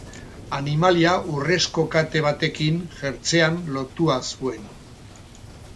Animalia urrezko kate batekin jertsean lotua zuen.